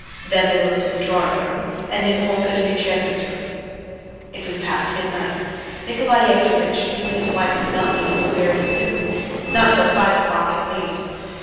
Then they looked in the drawing room, and in Olga Dmitrievna's room. It was past midnight. Nikolay Yevgrafitch knew his wife would not be home very soon, not till five o'clock at least.